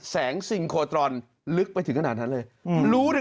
แสงสิงโครตรอนลึกไปถึงขนาดนั้นเลย